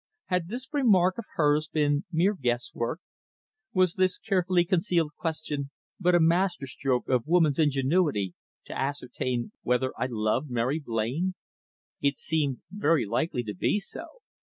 Had this remark of hers been mere guess work? Was this carefully concealed question but a masterstroke of woman's ingenuity to ascertain whether I loved Mary Blain? It seemed very likely to be so.